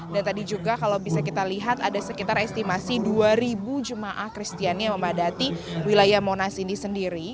dan tadi juga kalau bisa kita lihat ada sekitar estimasi dua ribu jumat kristiani yang memadati wilayah monas ini sendiri